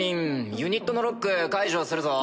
ユニットのロック解除するぞ。